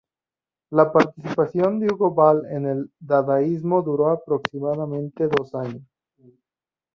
La participación de Hugo Ball en el dadaísmo duró aproximadamente dos años.